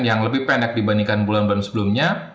yang lebih pendek dibandingkan bulan bulan sebelumnya